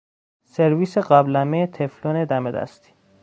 سرویس قابلمه تفلون دم دستی